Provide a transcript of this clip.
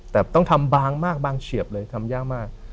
แต่ต้องทำบางมากบางเฉียบเลยทำยากมาก